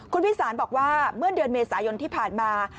คุณวิสานบอกว่าเมื่อเดือนเมษายนที่ผ่านมา